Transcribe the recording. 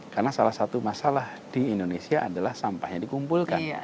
karena salah satu masalah di indonesia adalah sampahnya dikumpulkan